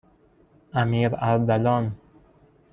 امیراردلان